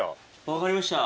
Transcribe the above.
分かりました。